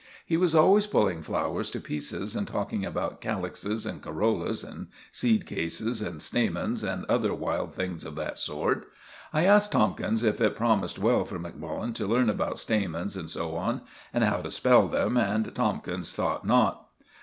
He was always pulling flowers to pieces, and talking about calyxes and corollas, and seed cases and stamens, and other wild things of that sort. I asked Tomkins if it promised well for Macmullen to learn about stamens and so on, and how to spell them; and Tomkins thought not.